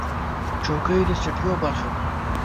چوکۍ د سټوډیو برخه ده.